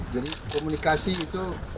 jadi komunikasi itu